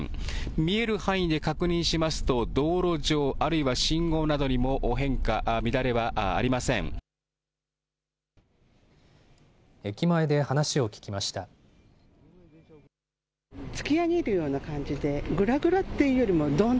見える範囲で確認しますと道路上、あるいは信号などにも変化、乱れはありません。